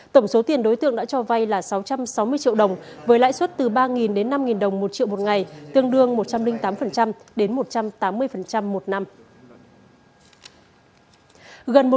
tổng số tiền đối tượng đã cho vay là sáu trăm sáu mươi triệu đồng với lãi suất từ ba đến năm đồng một triệu một ngày tương đương một trăm linh tám đến một trăm tám mươi một năm